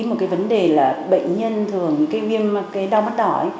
một cái vấn đề là bệnh nhân thường cái viêm đau mắt đỏ ấy